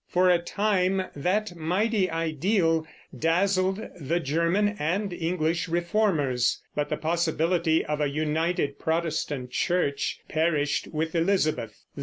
For a time that mighty ideal dazzled the German and English reformers; but the possibility of a united Protestant church perished with Elizabeth.